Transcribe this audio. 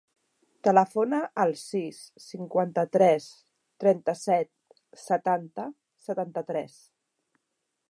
Telefona al sis, cinquanta-tres, trenta-set, setanta, setanta-tres.